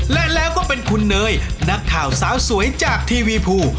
และแล้วก็เป็นคุณเนยนักข่าวสาวสวยจากทีวีภู